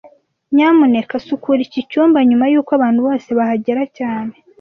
Nyamuneka sukura iki cyumba nyuma yuko abantu bose bahagera cyane